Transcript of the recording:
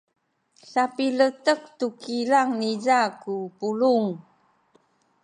sapiletek tu kilang niza ku pulung.